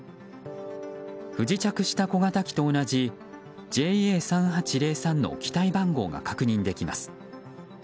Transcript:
不時着した小型機と同じＪＡ３８０３の機体番号が確認できます。